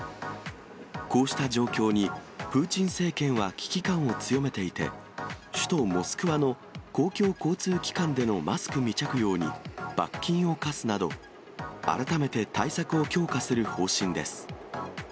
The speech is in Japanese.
こうした状況に、プーチン政権は危機感を強めていて、首都モスクワの公共交通機関でのマスク未着用に罰金を科すなど、改めて対策を強化する方針です。